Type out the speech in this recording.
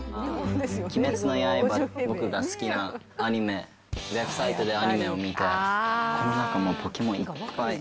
鬼滅の刃、僕の好きなアニメ、ウェブサイトでアニメを見て、この中もポケモンいっぱい。